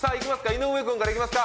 井上くんからいきますか。